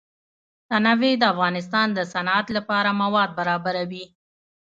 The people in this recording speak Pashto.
تنوع د افغانستان د صنعت لپاره مواد برابروي.